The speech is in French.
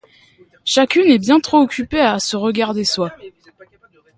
Chacune est bien trop occupé à se regarder soi.